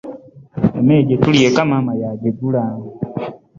Emmere gye tulya eka maama y'agigula.